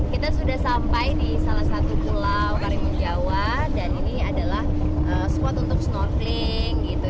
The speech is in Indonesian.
kita sudah sampai di salah satu pulau karimun jawa dan ini adalah spot untuk snorkeling gitu